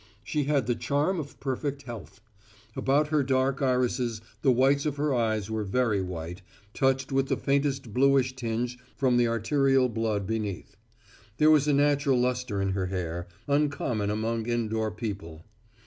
She had the charm of perfect health. About her dark irises the whites of her eyes were very white, touched with the faintest bluish tinge from the arterial blood beneath. There was a natural lustre in her hair, uncommon among indoor people.